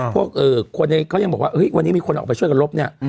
คนเขายังบอกว่าวันนี้มีคนออกไปช่วยกันลบเนี่ย